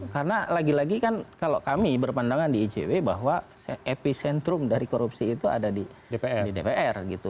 karena lagi lagi kan kalau kami berpandangan di icw bahwa epicentrum dari korupsi itu ada di dpr gitu